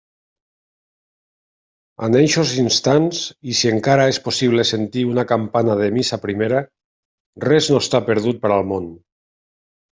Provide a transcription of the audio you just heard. En eixos instants, i si encara és possible sentir una campana de missa primera, res no està perdut per al món.